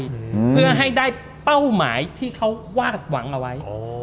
เพื่อให้ได้เป้าหมายที่เขาว่ากับหวังเอาไว้